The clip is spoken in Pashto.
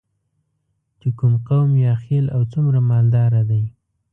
چې کوم قوم یا خیل او څومره مالداره دی.